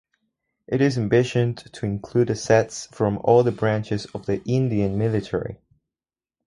It is envisioned to include assets from all the branches of the Indian military.